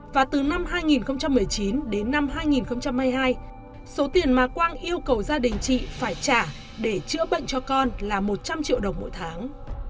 và từ năm hai nghìn một mươi chín đến năm hai nghìn hai mươi hai số tiền mà quang yêu cầu gia đình chị phải trả để chữa bệnh cho con là một trăm linh triệu đồng mỗi tháng